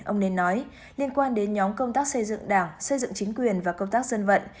ông nên nói liên quan đến nhóm công tác xây dựng đảng xây dựng chính quyền và công tác dân vận